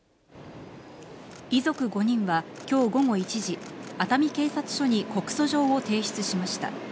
遺族５人はきょう午後１時、熱海警察署に告訴状を提出しました。